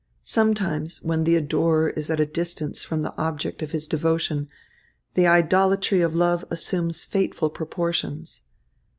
Sometimes, when the adorer is at a distance from the object of his devotion, the idolatry of love assumes fateful proportions.